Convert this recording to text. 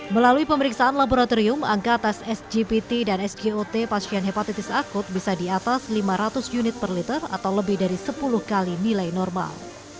melalui pemeriksaan laboratorium angka atas sgpt dan sgot pasien hepatitis akut bisa di atas lima ratus unit per liter atau lebih dari sepuluh kali nilai normal